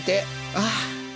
ああ。